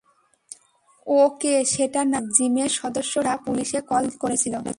ও কে সেটা না জেনে জিমের সদস্যরা পুলিশে কল করেছিল।